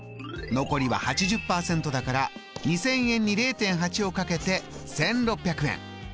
残りは８０％だから２０００円に０．８を掛けて１６００円。